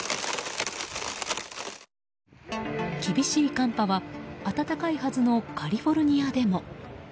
厳しい寒波は暖かいはずのカリフォルニアでも。